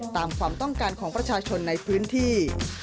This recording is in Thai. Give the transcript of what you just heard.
ตามความต้องการของประชาชนในพื้นที่